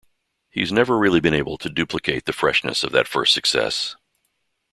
He's never really been able to duplicate the freshness of that first success.